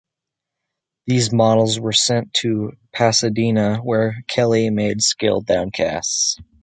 These models were sent to Pasadena, where Kelley made scaled down casts.